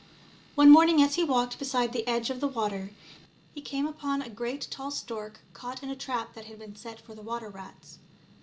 One morning as he walked beside the edge of the water, he came upon a great tall stork caught in a trap that had been set for the water rats.